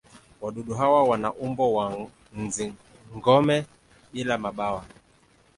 Wadudu hawa wana umbo wa nzi-gome bila mabawa.